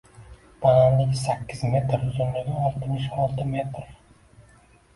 Balandligi sakkiz metr, uzunligi oltmish olti metr.